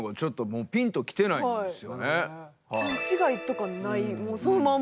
勘違いとかないもうそのまんま。